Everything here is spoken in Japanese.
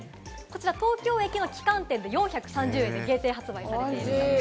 東京駅の旗艦店で４３０円で限定発売されているということです。